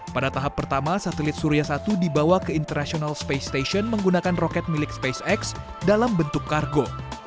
pada tahap pertama satelit surya satu dibawa ke international space station menggunakan roket milik spacex dalam bentuk kargo